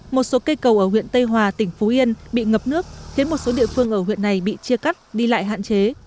một số cây cầu ở huyện tây hòa tỉnh phú yên bị ngập nước khiến một số địa phương ở huyện này bị chia cắt đi lại hạn chế